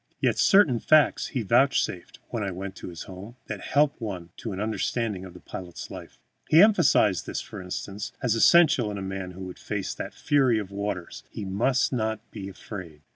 Yet certain facts he vouchsafed, when I went to his home, that help one to an understanding of the pilot's life. He emphasized this, for instance, as essential in a man who would face that fury of waters, he must not be afraid.